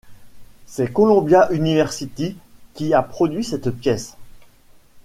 C'est Columbia University qui a produit cette pièce.